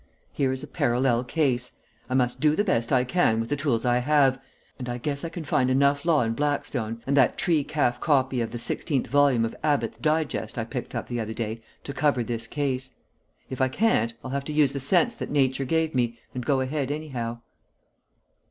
Here is a parallel case. I must do the best I can with the tools I have, and I guess I can find enough law in Blackstone and that tree calf copy of the sixteenth volume of Abbott's 'Digest' I picked up the other day to cover this case. If I can't, I'll have to use the sense that Nature gave me, and go ahead anyhow."